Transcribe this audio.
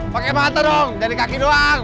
pakai mata dong jangan di kaki doang